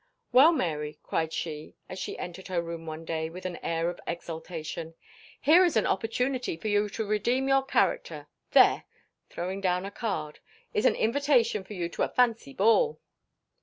"Well, Mary," cried she, as she entered her room one day with an air of exultation, "here is an opportunity for you to redeem your character. There," throwing down a card, "is an invitation for you to a fancy ball."